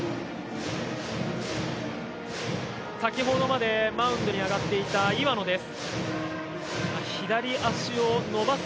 先ほどまでマウンドに上がっていた岩野です。